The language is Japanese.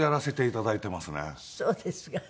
そうですか。